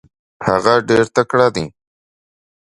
هغه ډېر تکړه دی.